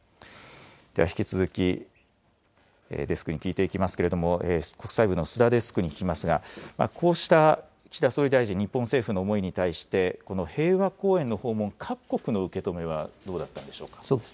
では引き続き、デスクに聞いていきますけれども、国際部の須田デスクに聞きますが、こうした岸田総理大臣、日本政府の思いに対して、平和公園の訪問、各国の受け止めはどうだったんでしょうか。